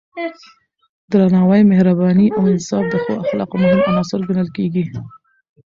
درناوی، مهرباني او انصاف د ښو اخلاقو مهم عناصر ګڼل کېږي.